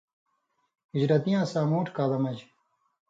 ہجرتیاں ساموٹُھ کالہ مژ